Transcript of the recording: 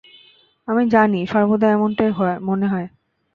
আমি জানি, সর্বদা এমনটাই মনে হয়।